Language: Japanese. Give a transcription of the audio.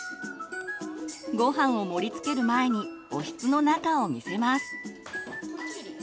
ごはんを盛りつける前におひつの中を見せます。